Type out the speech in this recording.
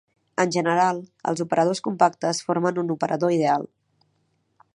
En general, els operadors compactes formen un operador ideal.